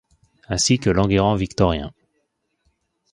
Ainsi que l’Enguerrand victorien.